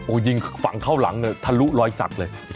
ยิงฝั่งเข้าหลังเนี่ยทะลุรอยสักเลย